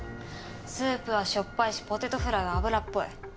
スープはしょっぱいしポテトフライは油っぽい。